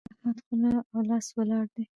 د احمد خوله او لاس ولاړ دي.